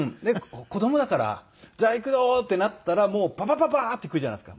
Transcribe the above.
子供だからじゃあ行くよってなったらパパパパッて行くじゃないですか。